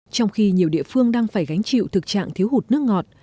trong khi nhiều địa phương đang phải gánh chịu thực trạng thiếu hụt nước ngọt